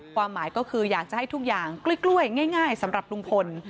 ความหมายก็คืออยากจะให้ทุกอย่างกล้วยง่ายสำหรับลุงพล